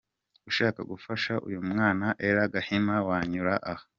Ushaka gufasha uyu mwana Ella Gahima wanyura aha:.